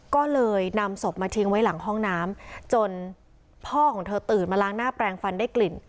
ก็เลยนำศพมาทิ้งไว้หลังห้องน้ำจนพ่อของเธอตื่นมาล้างหน้าแปลงฟันได้กลิ่น